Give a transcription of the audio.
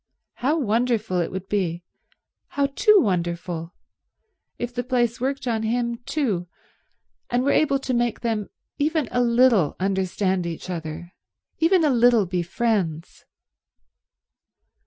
How wonderful it would be, how too wonderful, if the place worked on him too and were able to make them even a little understand each other, even a little be friends.